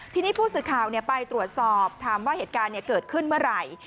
ทีนี้ผู้สื่อข่าวไปตรวจสอบถามว่าเหตุการณ์เกิดขึ้นเมื่อไหร่